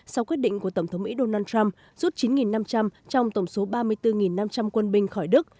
sau quyết định của tổng thống mỹ donald trump rút chín năm trăm linh trong tổng số ba mươi bốn năm trăm linh quân binh khỏi đức